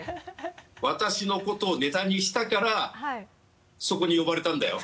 私のことをネタにしたからそこに呼ばれたんだよ。